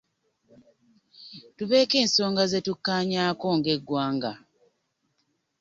Tubeeko ensonga ze tukkaanyaako ng'eggwanga